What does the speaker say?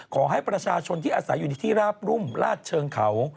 ขอให้ประชาชนที่อาศัยอยู่ในที่ราบรุ่มลาดเชิงเขา